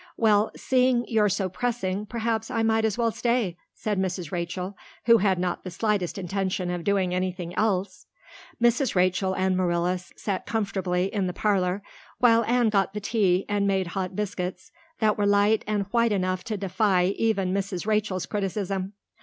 "Well, seeing you're so pressing, perhaps I might as well, stay" said Mrs. Rachel, who had not the slightest intention of doing anything else. Mrs. Rachel and Marilla sat comfortably in the parlor while Anne got the tea and made hot biscuits that were light and white enough to defy even Mrs. Rachel's criticism.